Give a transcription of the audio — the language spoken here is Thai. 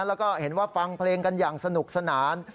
แล้วก็เห็นว่าฟังเพลงกันอย่างสนุกสนาน